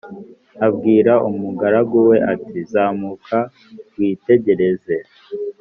Abwira umugaragu we ati Zamuka witegereze